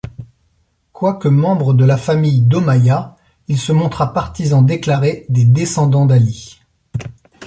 Quoique membre de la famille d'Ommaïah, il se montra partisan déclaré des descendants d'Ali.